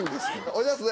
おじゃす